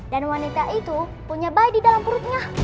dan wanita itu punya bayi di dalam perutnya